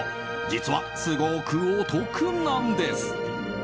実はすごくお得なんです。